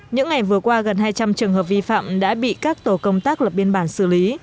những ngày vừa qua gần hai trăm linh trường hợp vi phạm đã bị các tổ công tác lập biên bản xử lý